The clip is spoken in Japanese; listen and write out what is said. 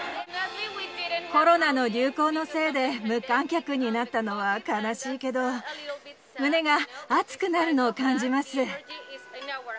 コロナの流行のせいで、無観客になったのは悲しいけど、胸が熱くなるのを感じます。